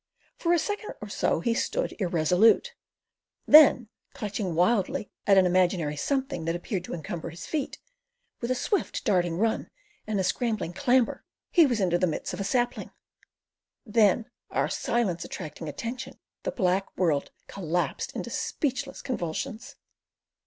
For a second or so he stood irresolute; then, clutching wildly at an imaginary something that appeared to encumber his feet, with a swift, darting run and a scrambling clamber, he was into the midst of a sapling; then, our silence attracting attention, the black world collapsed in speechless convulsions.